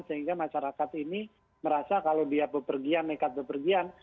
sehingga masyarakat ini merasa kalau dia berpergian mereka berpergian